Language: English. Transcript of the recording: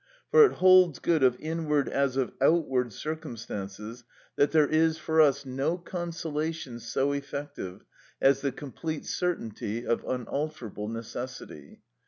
For it holds good of inward as of outward circumstances that there is for us no consolation so effective as the complete certainty of unalterable necessity.